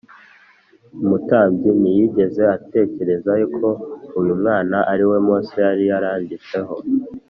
Umutambyi ntiyigeze atekereza ko uyu mwana ariwe Mose yari yaranditseho